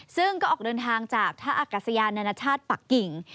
ซึ่งก็ออกเดินทางจากท่าอากาศยานานาชาติปักกิ่ง